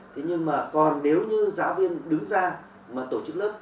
thế nhưng mà còn nếu như giáo viên đứng ra mà tổ chức lớp